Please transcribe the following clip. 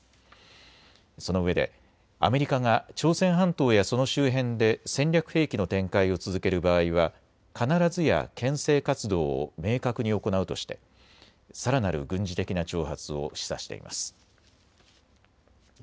そのうえでアメリカが朝鮮半島やその周辺で戦略兵器の展開を続ける場合は必ずやけん制活動を明確に行うとしてさらなる軍事的な挑発を示唆しています。